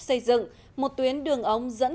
xây dựng một tuyến đường ống dẫn